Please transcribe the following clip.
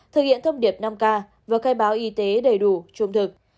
thực hiện thông điệp năm k vừa khai báo y tế đầy đủ trung thực